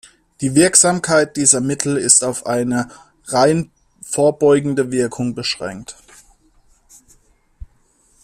Die Wirksamkeit dieser Mittel ist auf eine rein vorbeugende Wirkung beschränkt.